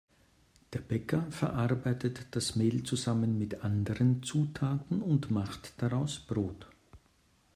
Der Bäcker verarbeitet das Mehl zusammen mit anderen Zutaten und macht daraus Brot.